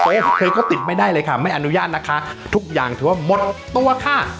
เอฟเคก็ติดไม่ได้เลยค่ะไม่อนุญาตนะคะทุกอย่างถือว่าหมดตัวค่ะ